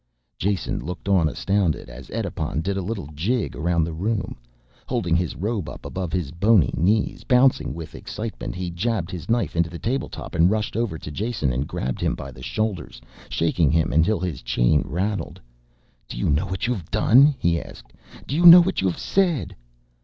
Jason looked on astounded as Edipon did a little jig around the room, holding his robe up above his bony knees. Bouncing with excitement he jabbed his knife into the table top and rushed over to Jason and grabbed him by the shoulders, shaking him until his chain rattled. "Do you know what you have done?" he asked. "Do you know what you have said?"